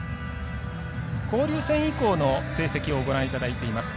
交流戦以降の成績をご覧いただいています。